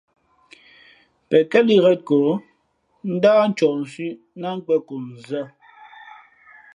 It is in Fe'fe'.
Pen kά lǐʼ ghēn ko, ndáh ncohsʉ̄ʼ ná nkwe᷇n ko nzᾱ.